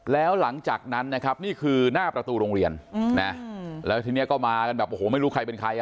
แล้วหลังจากนั้นนะครับนี่คือหน้าประตูโรงเรียนนะแล้วทีนี้ก็มากันแบบโอ้โหไม่รู้ใครเป็นใครอ่ะ